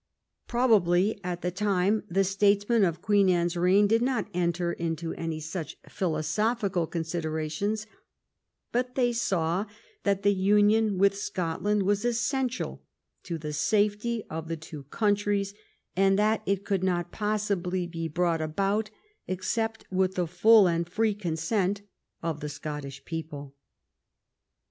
Probably, at the time, the statesmen of Queen Anne's reign did not enter into any such philosophical considerations, but they saw that the union with Scotland was essential to the safety of the two countries, and that it could not possibly be brought about except with the full and free consent of the Scottish people.